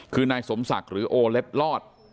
คือนายสมศักดิ์หรือโอเล็บลอด